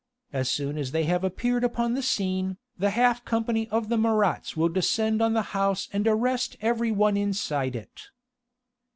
As soon as they have appeared upon the scene, the half company of the Marats will descend on the house and arrest every one inside it."